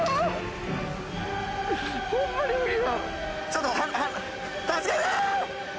ちょっと。